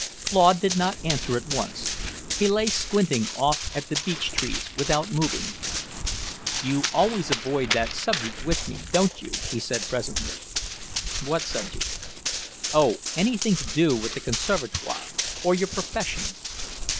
Claude did not answer at once. He lay squinting off at the beech trees, without moving. "You always avoid that subject with me, don't you?" he said presently. "What subject?" "Oh, anything to do with the Conservatoire, or your profession."